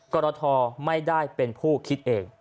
กรทไม่ได้เป็นผู้คิดเอง